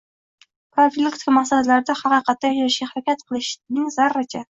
profilaktika maqsadlarida “haqiqatda yashashga” harakat qilishning zarracha